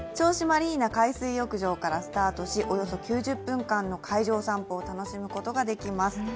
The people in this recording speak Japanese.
マリーナ海水浴場からスタートし、およそ９０分間の海上散歩を楽しむことができます。